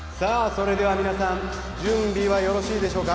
それでは皆さん準備はよろしいでしょうか？